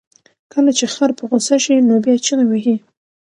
کله چې خر په غوسه شي، نو بیا چغې وهي.